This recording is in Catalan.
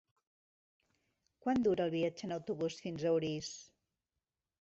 Quant dura el viatge en autobús fins a Orís?